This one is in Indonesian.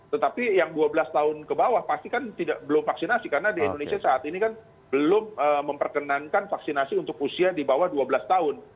tetapi yang dua belas tahun ke bawah pasti kan belum vaksinasi karena di indonesia saat ini kan belum memperkenankan vaksinasi untuk usia di bawah dua belas tahun